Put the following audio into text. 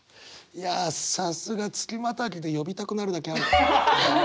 いやさすが月またぎで呼びたくなるだけある。